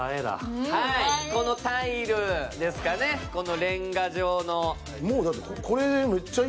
このタイルですかね、レンガ状の。